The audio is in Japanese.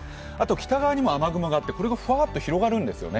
北側にも雨雲があってこれがふわっと広がるんですよね。